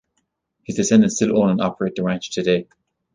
His descendants still own and operate the ranch today.